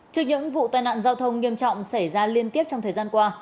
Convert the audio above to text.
trước những vụ tai nạn giao thông nghiêm trọng xảy ra liên tiếp trong thời gian qua